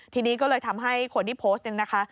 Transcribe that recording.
ทีนี้ก็เลยทำให้คนที่โพสต์เนี่ยนะคะ